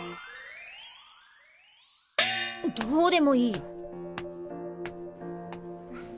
どうでもいい。